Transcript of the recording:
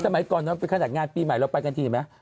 สมัยก่อนขนาดงานปีใหม่เราไปกันทีเห็นไหม